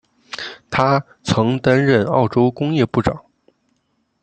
他曾经担任澳洲工业部长。